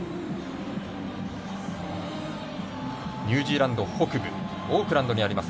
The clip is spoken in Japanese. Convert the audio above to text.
ニュージーランド北部オークランドにあります